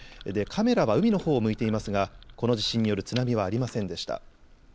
カメラは海のほうを向いていますが、この地震による津波はありませんでした。